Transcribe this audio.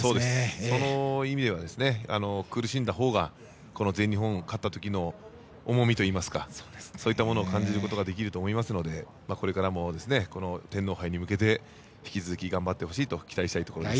その意味では苦しんだほうが全日本を勝ったときの重みといいますかそういったものを感じることができると思いますのでこれからも、天皇杯に向けて引き続き頑張ってほしいと期待したいです。